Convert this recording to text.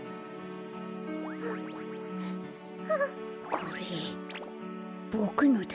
これボクのだ。